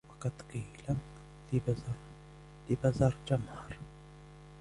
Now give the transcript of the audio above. وَقَدْ قِيلَ لِبَزَرْجَمْهَرَ